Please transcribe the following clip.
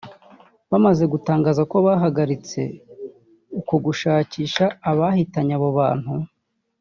bamaze gutangaza ko bahagaritse uko gushakisha abahitanye abo bantu